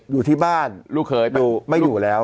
อยู่ที่บ้านไม่อยู่แล้ว